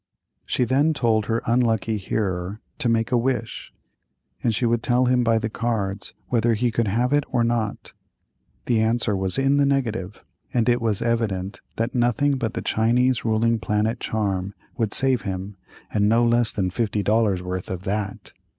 She then told her unlucky hearer to make a wish and she would tell him by the cards whether he could have it or not. The answer was in the negative, and it was evident that nothing but the Chinese Ruling Planet Charm would save him, and no less than $50 worth of that.